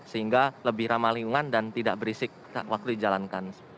sehingga lebih ramah lingkungan dan tidak berisik waktu dijalankan